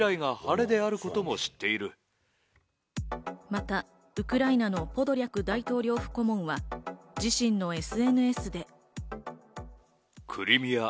またウクライナのポドリャク大統領府顧問は、自身のＳＮＳで。